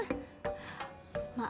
maaf ya mas pur